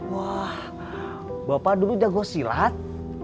wah bapak dulu jago silat